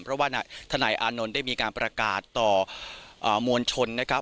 เพราะว่าทนายอานนท์ได้มีการประกาศต่อมวลชนนะครับ